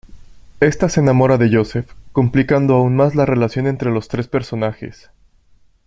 Esta se enamora de Joseph, complicando aún más la relación entre los tres personajes.